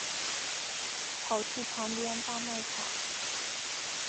跑去旁边大卖场